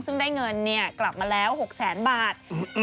ซึ่งได้เงินกลับมาแล้ว๖แสนบาท